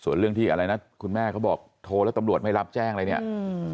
ส่วนเรื่องที่อะไรนะคุณแม่เขาบอกโทรแล้วตำรวจไม่รับแจ้งอะไรเนี่ยอืม